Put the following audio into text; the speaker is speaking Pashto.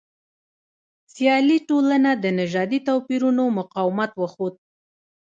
سیالي ټولنه د نژادي توپیرونو مقاومت وښود.